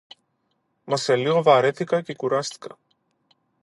Μα σε λίγο βαρέθηκα και κουράστηκα